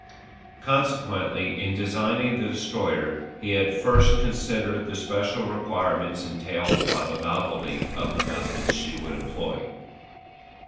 Consequently in designing the Destroyer he had first considered the special requirements entailed by the novelty of the methods she would employ.